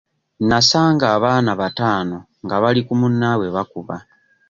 Nasanga abaana bataano nga bali ku munnaabwe bamukuba.